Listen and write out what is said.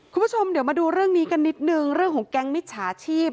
คุณผู้ชมเดี๋ยวมาดูเรื่องนี้กันนิดนึงเรื่องของแก๊งมิจฉาชีพ